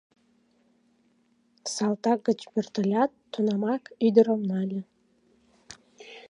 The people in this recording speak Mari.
Салтак гыч пӧртылят, тунамак ӱдырым нале.